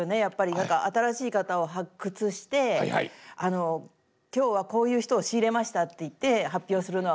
何か新しい方を発掘して今日はこういう人を仕入れましたって言って発表するのは。